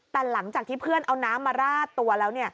แต่หลังจากที่เพื่อนเอาน้ำมาราดตัวแล้ว